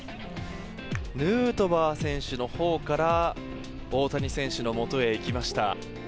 ヌートバー選手のほうから大谷選手のもとへ行きました。